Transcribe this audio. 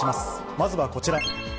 まずはこちら。